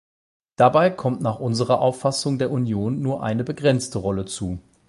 Dabei kommt nach unserer Auffassung der Union nur eine begrenzte Rolle zu.